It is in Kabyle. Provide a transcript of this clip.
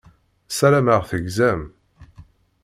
Ssarameɣ tegzam.